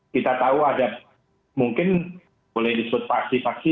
kita tahu ada mungkin boleh disebut paksi paksi